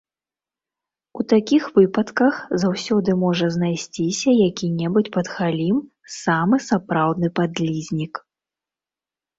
У такіх выпадках заўсёды можа знайсціся які-небудзь падхалім, самы сапраўдны падлізнік.